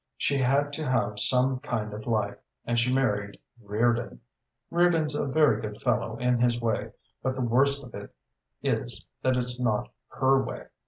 She had to have some kind of life, and she married Reardon. Reardon's a very good fellow in his way; but the worst of it is that it's not her way....